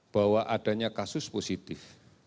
bahwa adanya kasus positif